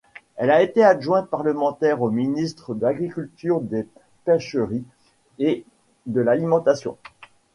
Elle a été adjointe parlementaire au ministre de l'Agriculture, des Pêcheries et de l'Alimentation.